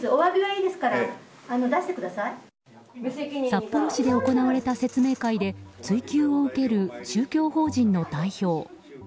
札幌市で行われた説明会で追及を受ける宗教法人の代表。